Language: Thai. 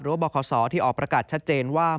หรือบรขสอที่ออกประกัดชัดเจนว่า